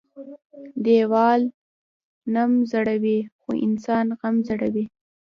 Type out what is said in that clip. ـ ديوال نم زړوى خو انسان غم زړوى.